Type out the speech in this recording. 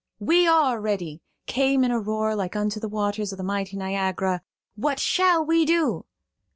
"We are ready!" came in a roar like unto the waters of the mighty Niagara. "What shall we do?"